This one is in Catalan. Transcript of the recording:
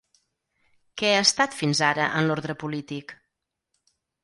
Què ha estat fins ara en l'ordre polític?